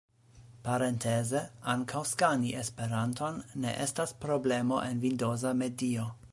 Parenteze, ankaŭ skani Esperanton ne estas problemo en vindoza medio.